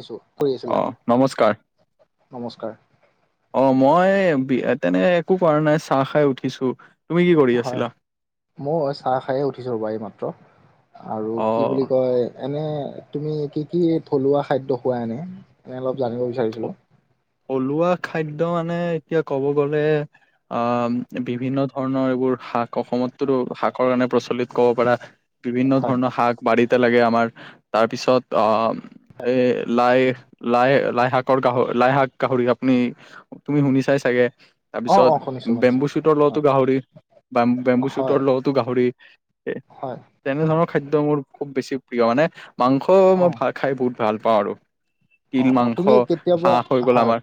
দিছো কৰি আছিলা অ' নমস্কাৰ। নমস্কাৰ অ' মই তেনেকে একো কৰা নাই, চাহ খাই উঠিছো। তুমি কি কৰি হয় আছিলা? মই চাহ খায়ে উঠিছো ৰবা এইমাত্ৰ। আৰু অ কি বুলি কয় এনে তুমি কি কি থলুৱা খাদ্য খোৱা এনে এনে অলপ জানিব বিচাৰিছিলো। থলুৱা খাদ্য মানে এতিয়া কব গ'লে অ বিভিন্ন ধৰণৰ এইবোৰ শাক, অসমতটো শাকৰ কাৰণে প্ৰচলিত ক'ব পাৰা বিভিন্ন হয় ধৰণৰ শাক বাৰীতে লাগে আমাৰ, তাৰ পিছত অ' এ লাই লাই লাই শাক গাহৰি লাই শাক গাহৰি আপুনি তুমি শুনি চাই চাগে অ তাৰপিছত অ শুনিছো শুনিছো বেম্বু শুটৰ লগতো হয় গাহৰি বে বেম্বু হয় শুটৰ লগতো গাহৰি হয় তেনে ধৰণৰ খাদ্য মোৰ খুব বেছি প্ৰিয়। মানে মাংস অ মই ভাল খাই বহুত ভাল পাওঁ আৰু, অ তিল অ তুমি মাংস কেতিয়াবা হাঁহ হৈ গ'ল হয়, আমাৰ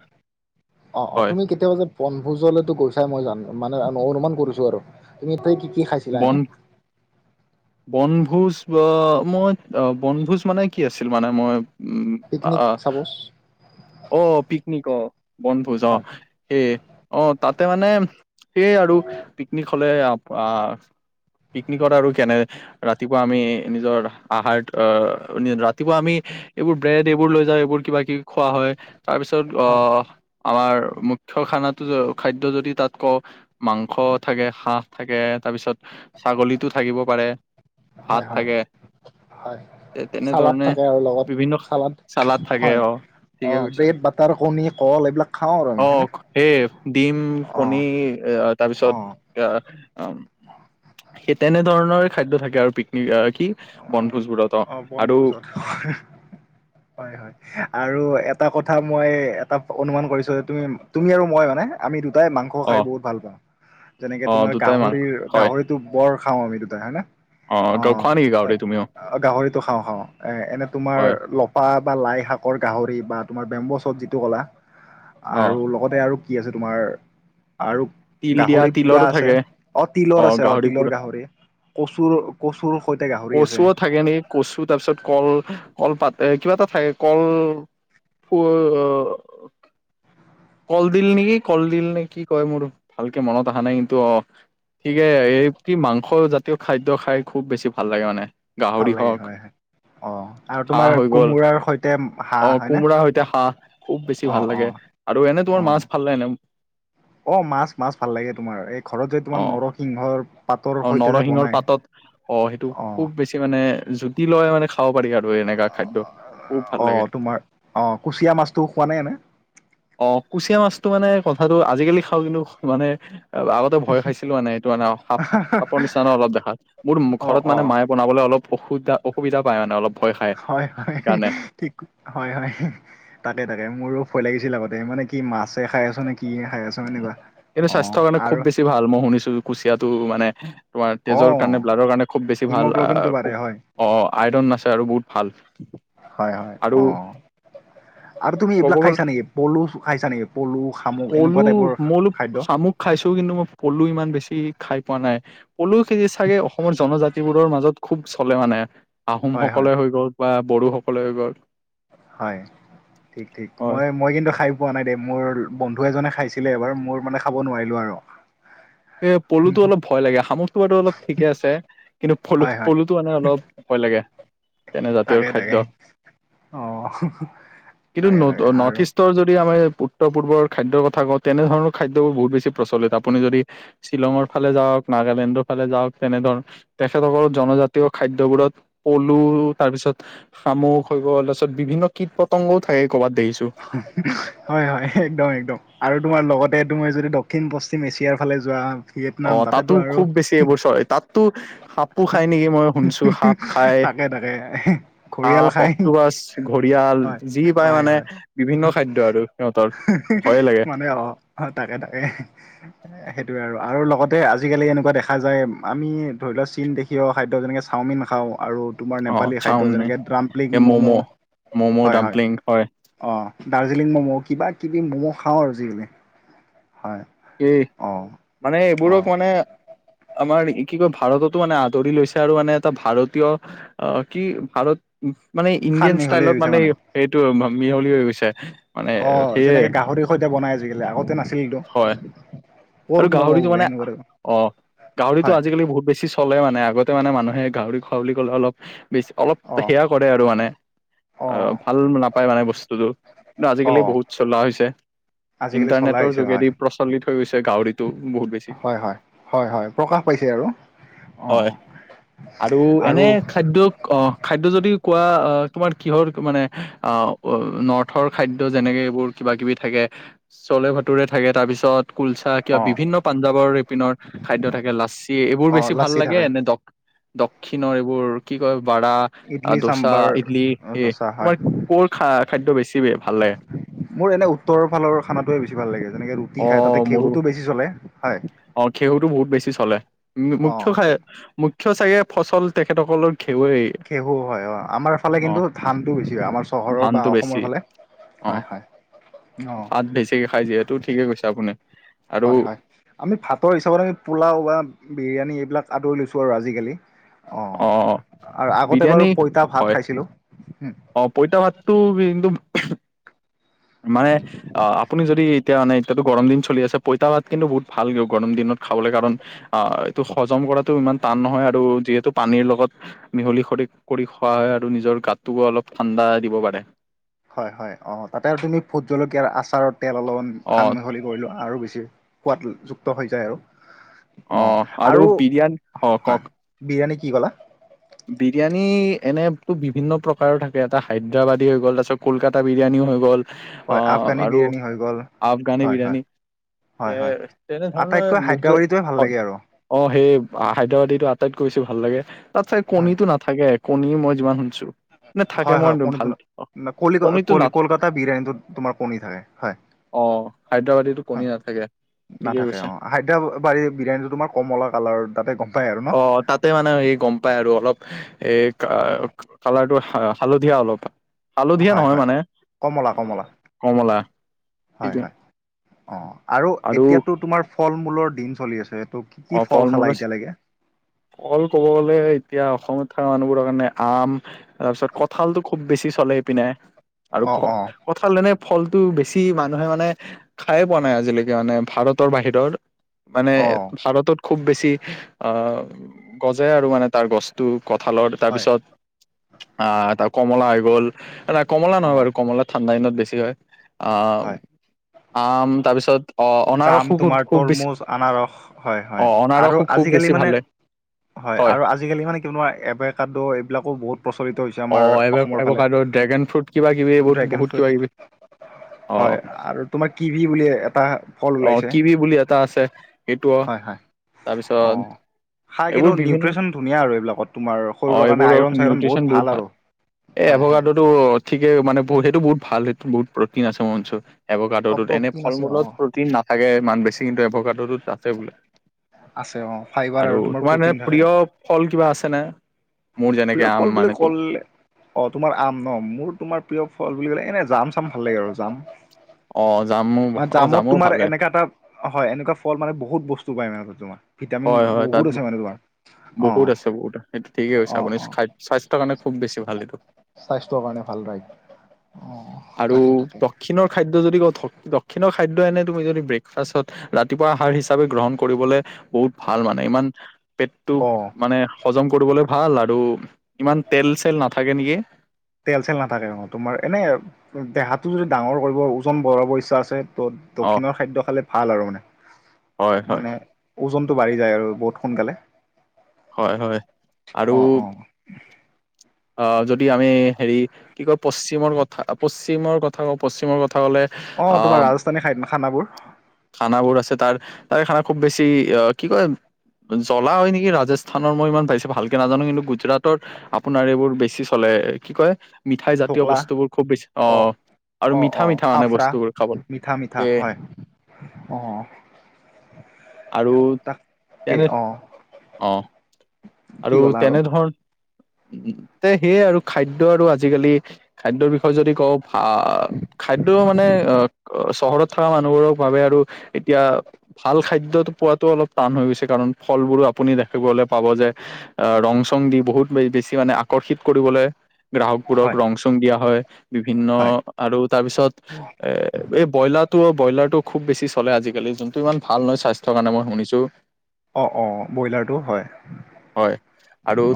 অ' অ' হয় তুমি কেতি এ ব বনভোজ লেতো গৈছা মই জানো মানে অনুমান কৰিছো আৰু তুমি তাই কি কি খাই বন্ধ বনভোজ বা মই অ বনভোজ মানে কি আছিল? মানে মই উম পিকনিক। আ চাপজ অ' পিকনিক অ' বনভোজ হয় অ' সেই অ' তাতে মানে সেয়ে আৰু পিকনিক হ'লে পিকনিকত আৰু কেনে ৰাতিপুৱা আমি নিজৰ আহাৰ আহ ৰাতিপুৱা আমি এইবোৰ ব্ৰেড এইবোৰ লৈ যায় এইবোৰ কিবা কিবি খোৱা হয়, তাৰ পিছত হয় আহ আমাৰ মুখ্য খানা খাদ্য যদি তাত কওঁ। মাংস থাকে হাঁহ থাকে তাৰপিছত ছাগলীতো থাকিব পাৰে। হয় ভাত হয় থাকে। হয় চালাড তেনেধৰণে থাকে আৰু লগত বিভিন্ন চালাড চালাদ থাকে হয় অ অ ঠিকে কৈছা ব্ৰেড বাটাৰ কণী কল এইবিলাক খাওঁ আৰু অ আমি হেনে সেই ডিম কণী অ তাৰপিছত এ সেই তেনেধৰণৰ খাদ্য থাকে আৰু পিকনিক কি বনভোজবোৰত অ অঁ আৰু বনভোজত হয় হয়। আৰু এটা কথা মই এটা অনুমান কৰিছো যে তুমি তুমি আৰু মই মানে। আমি দুটাই মাংস অ খাই বহুত ভাল পাওঁ। যেনেকে অ তোমাৰ দুটাই মান গাহৰি হয় গাহৰিত টো বৰ খাওঁ আমি দুটাই হয়ে নে। অ ত খোৱা নে গাহৰি ও তুমি অ গাহৰিতটো খাওঁ খাওঁ এ এনে তোমাৰ লপা বা লাই শাকৰ গাহৰি বা তোমাৰ বেম্বছত যিটো ক'লা অ আৰু লগতে আৰু কি আছে তোমাৰ আৰু তিল দিয়া গাহৰি পুৰা তিলৰো আছে থাকে অ তিলৰ আছে অ গাহৰি তিলৰ পুৰা গাহৰি কচুৰ কচুৰ সৈতে গাহৰি আছে কচুও থাকে নেকি কচু তাৰ পিছত কল কল পাত কিবা এটা থাকে কল [unintelligible] কল দিল নেকি কল দিল নে কি কয় মোৰ ভালকে মনত অহা নাই কিন্তু অ ঠিকে এই কি মাংস জাতীয় খাদ্য খাই খুব বেছি ভাল লাগে মানে ভাল গাহৰি লাগে হওক হয় হয়। অ', আৰু হাঁহ তোমাৰ হৈ গ'ল কোমোৰাৰ সৈতে অ হাঁহ হয়নে কোমোৰা সৈতে হাঁহ খুব বেছি ভাল অ', লাগে অ'। আৰু এনে অ তোমাৰ মাছ ভাল লাগেনে? অ', মাছ- মাছ ভাল লাগে তোমাৰ এই ঘৰত যদি অ তোমাৰ নৰসিংহৰ পাতৰ অ সৈতে যে নৰসিংহৰ বনাই। পাতত অ', সেইটো খুব বেছি মানে জুতি লগাই মানে খাব পাৰি আৰু এনেকা খাদ্য। খুব ভাল লাগে অ', তোমাৰ অ', কুচিয়া মাছতটো খোৱানে এনে? অ', কুচিয়া মাছটো মানে কথাটো আজিকালি খাওঁ কিন্তু মানে আগত ভয় খাইছিলো মানে এইটো সাপ সাপৰ নিচিনা ন অলপ দেখাত মোৰ অ ঘৰত অ মানে মায়ে বনাবলে অলপ অসুভা অসুবিধা পায় মানে অলপ। ভয় খায় হয়-হয়, সেইকাৰণে ঠিক। হয়- হয় তাকে -তাকে মোৰো ভয় লাগিছিল আগতে মানে কি মাছে খাই আছো নে কি খাই আছো এনেকুৱা অ', আৰু। টি ভাল মই শুনিছো কুচিয়াটো মানে তোমাৰ তেজৰ অ কাৰণে ব্লাডৰ কাৰণে খুব বেছি ভাল আহ হিমগ্ল'বিনটো খুব বাঢ়ে হয়। অ', আইৰন আছে আৰু বহুত ভাল। হয়- হয় আৰু অ', আৰু তুমি ক'ব এইবিলাক গ'ল খাইছা নেকি পলু খাইছা নেকি পলু খা পলু মই [unintelligible] শামুক খাইছো কিন্তু মই পলু ইমান বেছি খাই পোৱা নাই। পলু খেতি চাগে অসমৰ জনজাতি বোৰৰ মাজত খুব চলে মানে হয় হয় আহোমসকলে হৈ গ'ল। বা বড়ো সকলে হৈ গ'ল। হয়, ঠিক -ঠিক, হয় মই -মই কিন্তু খাই পোৱা নাই দেই মোৰ বন্ধু এজনে খাইছিলে এবাৰ মোৰ মানে খাব নোৱাৰিলো আৰু। এ পলুতটো অলপ ভয় লাগে শামুখটো বাৰু অলপ ঠিকে আছে কিন্তু ফলু হয় হয় পলু। টো মানে অলপ ভয় লাগে। তেনে জাতীয়ৰ তাকে তাকে খাদ্য অ কিন্তু তাকে তাকে নত আৰু নৰ্থ ইষ্ট। উত্তৰ যদি আমি উত্তৰ পূৰ্বৰ খাদ্যৰ কথা কওঁ তেনেধৰণৰ খাদ্যবোৰ বহুত বেছি প্ৰচলিত আপুনি যদি। শ্বিলঙৰ ফালে যাওক নাগালেণ্ডৰ ফালে যাওক তেনেধৰণ। তেখেতসকলৰ জনজাতীয় খাদ্যবোৰত পলু তাৰপিছত শামুক হৈ গল তাৰপিছত বিভিন্ন কীট পতংগও থাকে ক'ৰবাত দেখিছো। হয় -হয় একদম -একদম আৰু তোমাৰ লগতে তুমি যদি দক্ষিণ পশ্চিম এছিয়াৰ ফালে যোৱা। অ ভিয়েটনাম তাতো তাতেতো আৰু খুব বেছি এইবোৰ চৰে তাততো সাপো খাই নেকি মই শুনছো সাপ খাই তাকে- তাকে ঘৰিয়াল সাপ খাই অক্টোপাছ ঘৰিয়াল হয় যি পায় -হয় মানে -হয়। বিভিন্ন খাদ্য আৰু সিহঁতৰ হি-হি ভয়ে লাগে মানে অ', তাকে- তাকে। সেইটোয়ে আৰু আ-ৰু লগতে আজিকালি এনেকুৱা দেখা যায় আমি ধৰি লোৱা চীন দেখি প্ৰিয় খাদ্য যেনেকৈ চাওমিন খাওঁ আৰু। তোমাৰ অ নেপালী খাদ্য চাওমিন যেনেকৈ দ্ৰাম্পলিং ম'ম' ম'ম' হয় -। ডাম্পলিং হয়। অ', দাৰ্জিলিং মম' কিবা কিবি ম'ম' খাওঁ আৰু জিকি হয়। এই অ মানে অ এইবোৰক মানে আমাৰ কি কয় ভাৰততো মানে আদৰি লৈছে আৰু মানে এটা ভাৰতীয় আ কি ভাৰত ম মানে খান ইণ্ডিয়ান মিহলি হৈ ষ্টাইলত গৈছে মানে সে সেইটো মি মিহলি হৈ গৈছে। মানে অ' সেয়ে যেনেকে গাহৰিৰ সৈতে বনাই আজিকালি আগতে হয় নাছিলতো। আৰু গাহৰিটো মানে অ' গাহৰিটো হয় আজিকালি বহুত বেছি চ চলে মানে আগতে মানে মানুহে গাহৰি খোৱা বুলি ক'লে অলপ বেছি অলপ অ সেয়া কৰে আৰু মানে অ' ভাল নাপায় মানে বস্তুটো কিন্তু অ আজিকালি বহুত চলোৱা হৈছে আজিকালি চলাই ইণ্টাৰনেটৰ আহিছে হয় যোগেদি প্ৰচলিত হৈ গৈছে গাহৰিতো। হয় - হয় - হয় -হয় প্ৰকাশ পাইছে আৰু হয় অ'। আৰু এনে খাদ্যক অঁ। খাদ্য যদি কোৱা তোমাৰ কিহৰ মানে নৰ্থৰ খাদ্য যেনেকে এইবোৰ। কিবা কিবি থাকে চলে ভাটোৰে থাকে তাৰ পিছত,,, কুলচা কিবা অ বিভিন্ন পাঞ্জাৱৰ ৰিপিনৰ খাদ্য থাকে লাচি এইবোৰ অ বেছি লাচি ভাল লাগে থাকে নে দক্ষিণৰ এইবোৰ কি কয় বাৰা। ইডলি দোচা চাম্বাৰ ইডলি এই ধচা হয় তোমাৰ কৰ খা খাদ্য বেছি ভাল লাগে। মোৰ এনে উত্তৰৰ ফালৰ খানটোৱে বেছি ভাল লাগে যেনেকে ৰুটি খাই তাতে ঘেউটো বেছি চলে হয়। অঁ! খেউতো বহুত বেছি চলে অ মুখ্য খাই,,, চো চাগে ফচল তেখেতসকলৰ ঘেৱেই। খেহু হয় অ' আমাৰ ফালে অ কিন্তু ধানটো বেছি হয় আমাৰ চহৰৰ বা ধানটো বেছি অসমৰ ফালে। অ হয়ঁ হয়ঁ অঁ। ভাত বেছিকে খাই যিহেত তো ঠিকে কৈছে আপুনি। আৰু হয়ঁ হয়ঁ আমি ভাতৰ হিচাপত আমি পোলাও বা বিৰিয়ানী এইবিলাক আদৰি লৈছোঁ আৰু আজিকালি। অ অঁ, আৰু আগতে বিৰিয়ানী বাৰু পইতা ভাত হয় খাইছিলোঁ। হুম, অ' পইতা ভাততো ভি ইন্দোম। মানে। আহ আপুনি যদি এতিয়া মানে এতিয়াতো গৰম দিন চলি আছে পইতা ভাত কিন্তু বহুত ভাল কি গৰম দিনত খাবলৈ কাৰণ। আহ এইটো হজম কৰাটো ইমান টান নহয় আৰু যিহেতু পানীৰ লগত। মিহলি কৰি কৰি খোৱা হয় আৰু নিজৰ গাতটোকো অলপ ঠাণ্ডা দিব পাৰে। হয়ঁ হয়ঁ অ' তাতে আৰু তুমি ভুট জলকীয়াৰ আচাৰৰ তেল অলপমান অ সান মিহলি কৰি লোৱা আৰু বেছি সোৱাদযুক্ত হৈ যায় আৰু। অ অঁ আৰু বিৰিয়ানী অ' হয় কওক। বিৰিয়ানী কি ক'লা? বিৰিয়ানী এনেতো বিভিন্ন প্ৰকাৰৰ থাকে এটা হায়দৰাবাদী হৈ গ'ল তাৰপিছত কলকাতা বিৰিয়ানীও হৈ গ'ল। হয় আহ আফগানী আৰু বিৰিয়ানী হৈ গ'ল আফগানী হয় হয় বিৰিয়ানী। এ হয় হয় তেনেধৰণৰ আটাইতকৈ মোক যে হায়দৰাবাৰীটোৱে ভাল লাগে আৰু অঁ সেই হায়দৰাবাদীটো আটাইতকৈ বেছি ভাল লাগে তাতচে হয় কণীটো নাথাকে কণী মই যিমান শুনিছোঁ। হয়ঁ হয়ঁ কণীটো না কনি কলকাতা বিৰিয়ানীটো তোমাৰ কনী থাকে হয়ঁ। অঁ' হায়দৰাবাদীটোত কণী নাথাকে। ঠিকেই নাথাকে কৈছে অ' হায়দৰাবাৰী বিৰিয়ানীটো তোমাৰ কমলা কালাৰ তাতে গম পাই আৰু ন অঁ তাতে মানে হে গম পায় আৰু অলপ। এই কালাৰটো হালধীয়া অলপ। হালধীয়া হয় নহয় হয় মানে কমলা অঁ কমলা কমলা ঠিকে। অঁ আৰু এতিয়াতো তোমাৰ ফল মূলৰ দিন চলি আছে। ত' কি কি অঁ ফল খালা মূলৰ চিজন এতিয়ালৈকে কল ক'ব গ'লে এতিয়া অসমত থকা মানুহবোৰৰ কাৰণে আম,,, তাৰপিছত কঠালটো খুব বেছি চলে এইপিনে আৰু অ খ,, অ কঠাল এনে ফলটো বেছি মানুহে মানে খাই পোৱা নাই আজিলৈকে মানে ভাৰতৰ বাহিৰৰ মানে অ ভাৰতত খুব বেছি আ গজে আৰু মানে তাৰ গছ টো কঠালত তাৰ হয় পিছত আহ তাৰ কমলা হৈ গ'ল এ কমলা অ নহয় বাৰু কমলা ঠাণ্ডা দিনত বেছি হয়। অঁ হয় আম তাৰপিছত অ অনাৰসো জাম তোমাৰ খুব খুব বেছি। তৰমুজ আনাৰস হয় অ হয় আৰু অনাৰসো খুব আজিকালি বেছি মানে ভালে হয় আৰু আজিকালি মানে কিয় এবেকাডো এইবিলাকো বহুত প্ৰচলিত হৈছে অ আমাৰ এব অসমৰ ফালে এভকাডো ড্ৰেগন ফ্ৰুট কিবা কিবি এইবোৰ ড্ৰেগন বহুত ফ্ৰুট কিবা কিবি। অ হয় আৰু তোমাৰ কিবি বুলি এটা ফল ওলাইছে। কি‌ বুলি এটা আছে। সেইটো হয় হয় অঁ। তাৰপিছত। খাই এইবোৰ কিন্তু বিভিন্ন নিউট্ৰিচন ধুনীয়া আৰু এইবিলাকত তোমাৰ শৰীৰৰ কাৰণে আইৰণ চাইৰণ বহুত ভাল আৰু। এ হয় হয়। এভগাডতো ঠিকে মানে সেইটো বহুত ভাল সেই বহুত প্ৰট্ৰিন আছে মোৰ মঞ্চ। অঁ এভকাডৰটোত এনে প্ৰটিন ফল আছে মূলত অঁ প্ৰট্ৰিন নাথাকে ইমান বেছি কিন্তু এভৰটোত আছে বোলে। আছে অঁ ফাইবাৰ আৰু তোমাৰ এনে প্ৰটিন থাকে। প্ৰিয় ফল কিবা আছে নে। মোৰ যেনেকে আম মানে তো। অহ তোমাৰ আম ন মোৰ তোমাৰ প্ৰিয় ফল বুলি ক'লে এনে জাম চাম ভাল লাগে আৰু জাম অ জামো মই অ জামুত জামো তোমাৰ ভালে এনেকা এটা হয় এনেকুৱা ফল মানে বহুত বস্তু পায় মানে তোমাৰ। ভিটামিন হয় হয় বহুত তাত আছে মানে তোমাৰ। অঁ বহুত আছে বহুত আছে সেইটো ঠিকে কৈছে অ', আপুনি অ', খাদ্য। স্বাস্থ্যৰ কাৰণে খুব বেছি ভাল এইটো। স্বাস্থ্যৰ কাৰণে ভাল ৰাইট অ', আৰু তাকে তাকে দক্ষিণৰ খাদ্য যদি কওঁ থ। দক্ষিণ খাদ্যয় এনে তুমি যদি ব্ৰেকফাষ্টত ৰাতিপুৱা আহাৰ হিচাপে গ্ৰহণ কৰিবলে। ভাল মানে ইমান পেটটো অ', মানে। হজম কৰিবলৈ ভাল আৰু ইমান তেল চেল নাথাকে নেকি। তেল চেল নাথাকে তোমাৰ এনে দেহাটো যদি ডাঙৰ কৰিব ওজন বঢ়াব ইচ্ছা আছে ত'। অ দক্ষিণৰ খাদ্য খালে ভাল আৰু মানে হয় হয় মানে। ওজনটো বাঢ়ি যায় আৰু বহুত সোনকালে। হয় হয় আৰু অ', অ', অহ যদি আমি হেৰি কি কয় পশ্চিমৰ কথা পশ্চিমৰ কথা কওঁ পশ্চিমৰ কথা ক'লে। অহ তোমাৰ আহ ৰাজস্থানী খা খানাবোৰ। খানাবোৰ আছে তাৰ তাৰে খানা খুব বেছি অহ কি কয়। জ্বলা হয় নেকি ৰাজস্থানৰ মই ইমান পাইছোঁ ভালকে নাজানোঁ কিন্তু গুজৰাটৰ। আপোনাৰ এইবোৰ বেছি চলে এ কি কয় মিঠাই জাতীয় বস্তুবোৰ খুব বেছি অহ। অঁ অঁ ফাফৰা মিঠা মিঠা এ হয় অহ। আৰু তেনে অ', অহ কি আৰু ক'লা তেনে ধৰণ। উম তে সেয়াই আৰু খাদ্য আৰু আজিকালি খাদ্যৰ বিষয়ে যদি কওঁ আহ খাদ্য মানে আহ চহৰত থকা মানুহবোৰক ভাৱে আৰু এতিয়া। ভাল খাদ্যতো পোৱাতো অলপ টান হৈ গৈছে কাৰণ ফলবোৰো আপুনি দেখিবলে পাব যে। অহ ৰং চং দি বহুত বে বেছি কি মানে আকৰ্ষিত কৰিবলৈ গ্ৰাহকবোৰক হয় ৰং চং দিয়া হয় বিভিন্ন। হয় আৰু তাৰপিছত এ এই ব্ৰইলাৰ টো ব্ৰইলাৰটো খুব বেছি চলে আজিকালি যোনটো ইমান ভাল নহয় স্বাস্থ্যৰ কাৰণে মই শুনিছো। [unintelligible] অ', অ, ব্ৰইলাৰটো হয়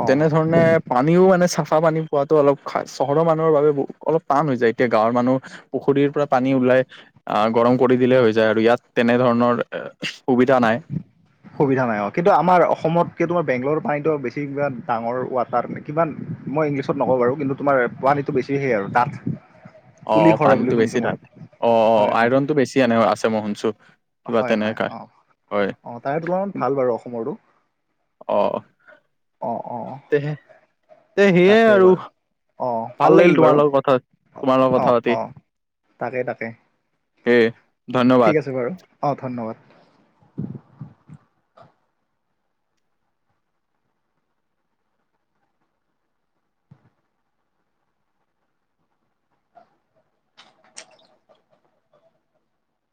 অ, ধৰণে। পানীও মানে চাফা পানী পোৱাতো অলপ খা চহৰৰ মানুহৰ বাবে বহু অলপ টান হৈ যায় এতিয়া গাঁৱৰ মানুহ। পুখুৰীৰ পৰা পানী ওলাই। আহ গৰম কৰি দিলে হৈ যায় আৰু ইয়াত তেনে ধৰণৰ সুবিধা নাই। সুবিধা নাই অহ কিন্তু আমাৰ অসমত কি তোমাৰ বেংলৰ পানীটো বেছি ডাঙৰ ৱাটাৰ নেকি। কিমান? মই ইংলিছত নকওঁ বাৰু কিন্তু তোমাৰ পোৱালীটো বেছি হে আৰু। তাত অঁ, পানীতটো বেছি তাত। অঁ, অঁ হয় হয় আইৰণটো বেছি এনে আছে, মই শুনিছো। হয়, হয়। অঁ, অঁ তাৰে তুলনাত ভাল বাৰু অসমৰটো। অঁ', অঁ', অঁ। তেহে। এ সেয়াই আৰু ভাল লাগিল তোমাৰ লগত কথা তোমাৰ লগত অ কথা পাতি। অ তাকে, তাকে। সেয়ে ধন্যবাদ ঠিক আছে বাৰু। অঁ, ধন্যবাদ।